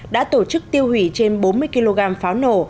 đã tổ chức tiêu hủy trên bốn mươi kg pháo nổ